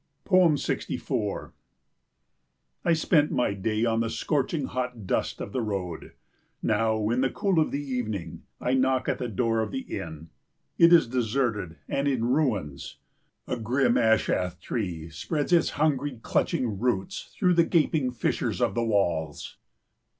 64 I spent my day on the scorching hot dust of the road. Now, in the cool of the evening, I knock at the door of the inn. It is deserted and in ruins. A grim ashath tree spreads its hungry clutching roots through the gaping fissures of the walls.